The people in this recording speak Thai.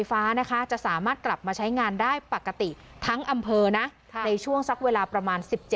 ทีนี้คุณผู้ชมค่ะจากเหตุการณ์นี้ทำให้เราต้องไปติดตาม